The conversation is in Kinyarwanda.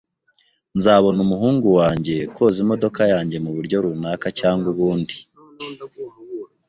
Nzabona umuhungu wanjye koza imodoka yanjye muburyo runaka cyangwa ubundi.